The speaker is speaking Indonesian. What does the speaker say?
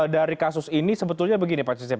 dari kasus ini sebetulnya begini pak cecep